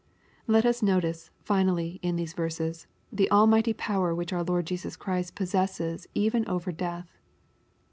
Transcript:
Let us notice, finally, in these verses, the almighty power which our Lord Jesus Christ possesses even over death.